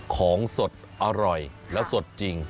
ของสดอร่อยและสดจริง